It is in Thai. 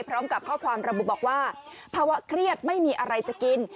พร้อมกับข้อความระบุบอกว่าภาวะเครียดไม่มีอะไรจะกิน